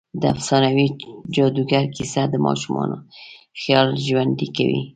د افسانوي جادوګر کیسه د ماشومانو خيال ژوندۍ کوي.